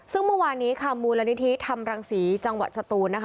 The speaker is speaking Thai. ซึ่งเมื่อวานนี้ค่ะมูลนิธิธรรมรังศรีจังหวัดสตูนนะคะ